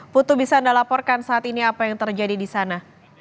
putu bisa anda laporkan saat ini apa yang terjadi di sana